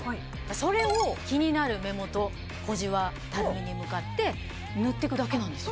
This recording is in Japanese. それを気になる目元小じわたるみに向かって塗ってくだけなんですよ。